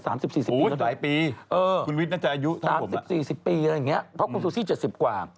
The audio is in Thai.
สิบสี่สิบปีอะไรอย่างนี้เพราะคุณซูซี่สิบสิบกว่า